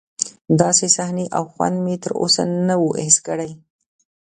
داسې صحنه او خوند مې تر اوسه نه و حس کړی.